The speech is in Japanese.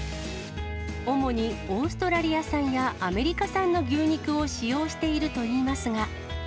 主にオーストラリア産やアメリカ産の牛肉を使用しているといいますが。